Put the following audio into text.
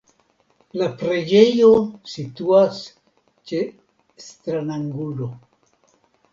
La preĝejo situas ĉe stranangulo.